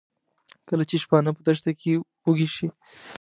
کله چې شپانه په دښته کې وږي شي.